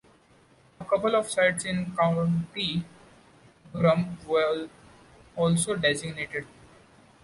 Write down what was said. A couple of sites in County Durham were also designated.